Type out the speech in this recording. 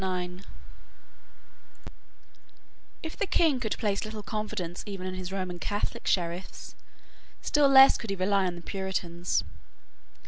If the King could place little confidence even in his Roman Catholic Sheriffs, still less could he rely on the Puritans.